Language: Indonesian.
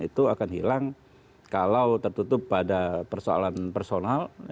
itu akan hilang kalau tertutup pada persoalan personal